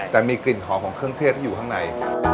แต่มีกลิ่นหอมของเครื่องเทศที่อยู่ข้างใน